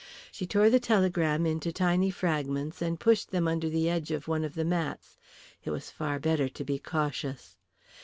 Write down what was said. She tore the telegram into tiny fragments and pushed them under the edge of one of the mats. It was far better to be cautious.